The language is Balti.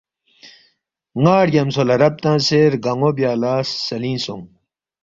نا ڑگیامژھو لا رب تنگسے رگنو بیا لاسلینگ سونگ